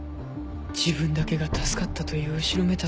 自分だけが助かったという後ろめたさがあったから。